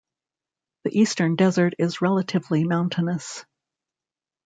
The Eastern Desert is relatively mountainous.